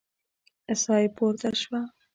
ساه يې پورته شوه.